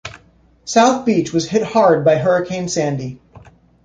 South Beach was hit hard by Hurricane Sandy.